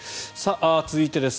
続いてです。